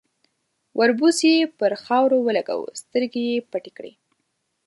، وربوز يې پر خاورو ولګاوه، سترګې يې پټې کړې.